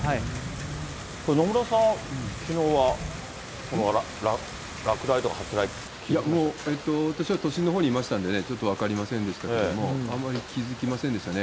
これ、野村さん、いやもう、私は都心のほうにいましたんでね、ちょっと分かりませんでしたけれども、あんまり気付きませんでしたね。